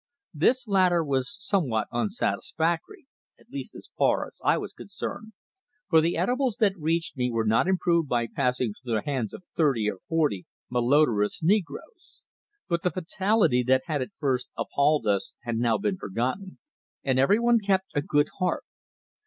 This latter was somewhat unsatisfactory, at least as far as I was concerned, for the eatables that reached me were not improved by passing through the hands of thirty or forty malodorous negroes. But the fatality that had at first appalled us had now been forgotten, and everyone kept a good heart.